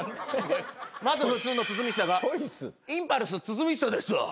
まず普通の堤下がインパルス堤下ですわ。